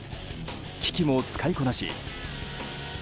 機器も使いこなし